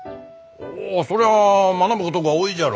ほうそりゃあ学ぶことが多いじゃろ。